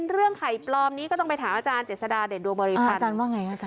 เรื่องไข่ปลอมนี่ก็ต้องไปถามอาจารย์เจ็ดสดาเด่นดวมบริพันธ์